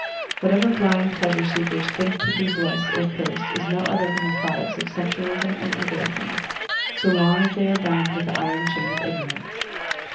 Whatever blind pleasure seekers think to be bliss or curse is no other than the products of sensualism and egoism, so long as they are bound with the iron chain of ignorance.